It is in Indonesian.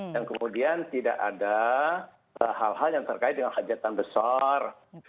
dan kemudian tidak ada hal hal yang terkait dengan hadiratan besar